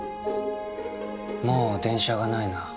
もう電車がないな。